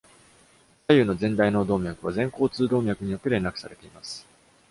左右の前大脳動脈は前交通動脈によって連絡されています。